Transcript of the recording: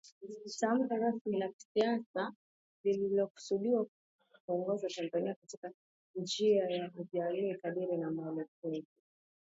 tamko rasmi la kisiasa lilikosudiwa kuongoza Tanzania katika njia ya ujamaa kadiri ya maelekezo